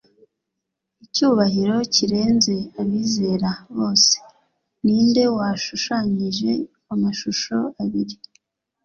icyubahiro kirenze abizera bose!ninde washushanyije amashusho abiri,